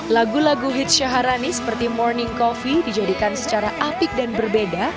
lagu lagu hitsya harani seperti morning coffee dijadikan secara apik dan berbeda